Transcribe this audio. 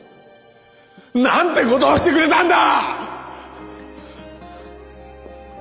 ことをしてくれたんだ！